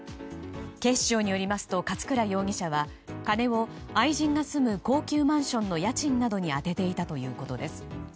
警視庁によりますと勝倉容疑者は金を愛人が住む高級マンションの家賃などに充てていたということです。